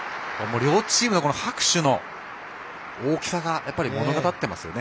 両チームの拍手の大きさやっぱり物語っていますよね。